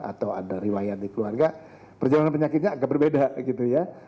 atau ada riwayat di keluarga perjalanan penyakitnya agak berbeda gitu ya